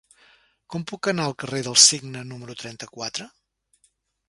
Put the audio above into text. Com puc anar al carrer del Cigne número trenta-quatre?